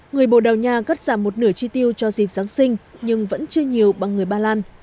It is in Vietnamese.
người bồ đào nha cất giảm một nửa chi tiêu cho dịp giáng sinh nhưng vẫn chưa nhiều bằng người ba lan